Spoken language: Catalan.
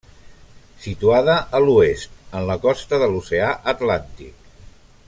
Situada a l'oest, en la costa de l'Oceà Atlàntic.